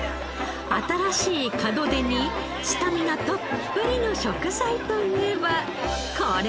新しい門出にスタミナたっぷりの食材といえばこれ！